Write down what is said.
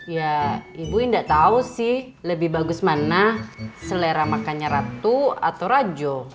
ya ibu indah tau sih lebih bagus mana selera makannya ratu atau rajo